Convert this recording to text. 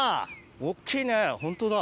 大っきいねホントだ。